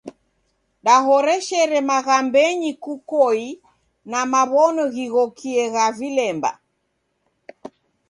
Dahoreshere maghambenyi kukoi na maw'ono ghighokie gha vilemba.